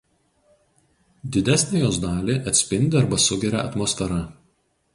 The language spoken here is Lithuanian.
Didesnę jos dalį atspindi arba sugeria atmosfera.